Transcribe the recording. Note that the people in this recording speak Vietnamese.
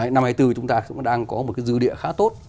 năm hai nghìn hai mươi bốn chúng ta cũng đang có một cái dư địa khá tốt